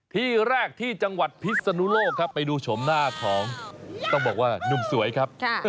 ที่แรกที่จังหวัดพิศนุโลกครับไปดูโฉมหน้าของต้องบอกว่าหนุ่มสวยครับ